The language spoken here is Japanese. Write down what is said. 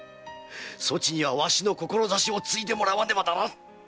そちにはわしの志を継いでもらわねばならん！